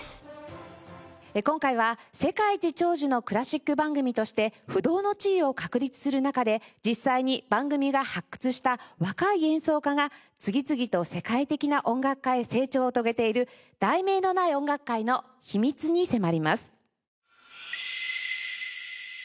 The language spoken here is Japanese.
今回は「世界一長寿のクラシック番組」として不動の地位を確立する中で実際に番組が発掘した若い演奏家が次々と世界的な音楽家へ成長を遂げている『題名のない音楽会』の秘密に迫ります。